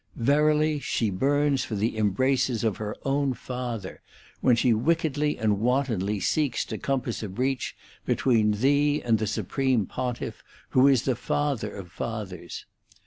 Verily she burns for the embraces of her own father, when she wickedly and wantonly seeks to compass a breach between thee and the supreme Pontiff, who is the father of fathers.